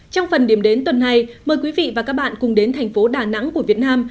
trong phần điểm đến tuần này mời quý vị và các bạn cùng đến thành phố đà nẵng của việt nam